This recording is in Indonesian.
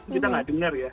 kita tidak dengar ya